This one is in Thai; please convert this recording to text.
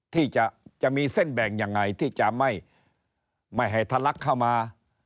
ที่จะมีเส้นแบ่งยังไงที่จะไม่ให้ทะลักเข้ามา